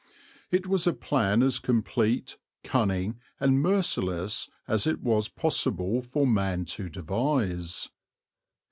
It was a plan as complete, cunning, and merciless as it was possible for man to devise.